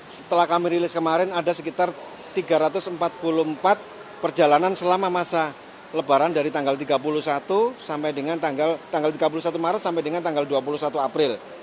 setelah kami rilis kemarin ada sekitar tiga ratus empat puluh empat perjalanan selama masa lebaran dari tanggal tiga puluh satu sampai dengan tanggal tiga puluh satu maret sampai dengan tanggal dua puluh satu april